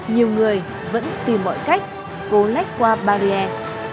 nhiều người vẫn tìm mọi cách cố lách qua barrier